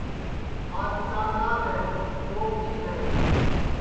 آج چند رات ہے دؔوت عید ہے